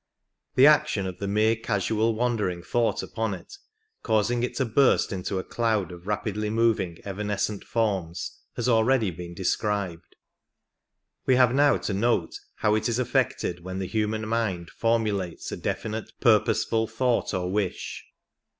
The action of the mere casual wandering thought upon it, causing it to burst into a cloud of rapidly moving, evanescent forms, has already been described; we have now to note how it is affected when the human mind formulates a definite, pur poseful thought or wish.